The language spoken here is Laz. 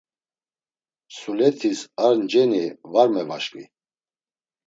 Msuletis ar nceni var mevaşǩvi.